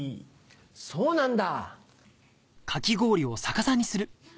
そうなんだ。